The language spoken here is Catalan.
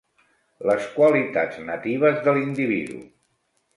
Les qualitats natives de l'individu.